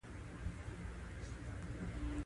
لکه څوک چې چاته د احترام مراتب وړاندې کوي.